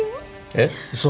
えっ嘘！